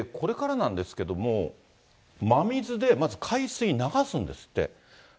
これからなんですけども、真水で、まず海水を流すんですって。